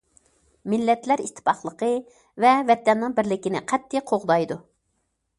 مىللەتلەر ئىتتىپاقلىقى ۋە ۋەتەننىڭ بىرلىكىنى قەتئىي قوغدايدۇ.